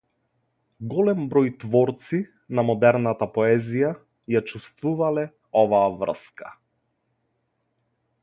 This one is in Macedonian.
Голем број творци на модерната поезија ја чувствувале оваа врска.